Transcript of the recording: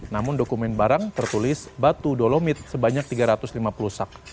namun dokumen barang tertulis batu dolomit sebanyak tiga ratus lima puluh sak